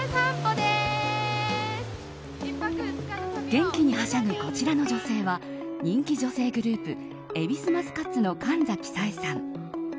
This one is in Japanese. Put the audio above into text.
元気にはしゃぐこちらの女性は人気女性グループ恵比寿マスカッツの神崎紗衣さん。